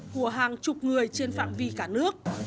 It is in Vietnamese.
của hàng chục người trên phạm vi cả nước